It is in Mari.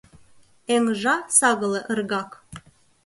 Эҥыжа — сагыле, ыргак.